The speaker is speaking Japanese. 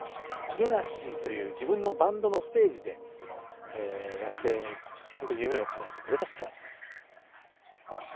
ＬＵＮＡＳＥＡという自分のバンドのステージでやって本当夢を叶えてくれた人たちです。